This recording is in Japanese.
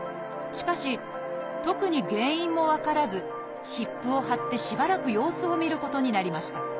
しかし特に原因も分からず湿布を貼ってしばらく様子を見ることになりました。